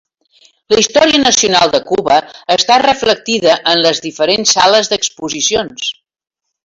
La història nacional de Cuba, està reflectida en les diferents sales d'exposicions.